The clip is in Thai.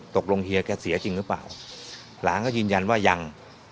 เฮียแกเสียจริงหรือเปล่าหลานก็ยืนยันว่ายัง